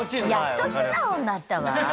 やっと素直になったわ。